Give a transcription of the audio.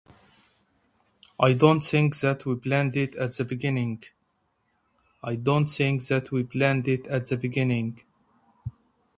I don't think that we planned it at the beginning.